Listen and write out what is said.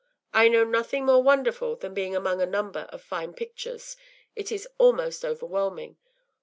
I know nothing more wonderful than being among a number of fine pictures. It is almost overwhelming.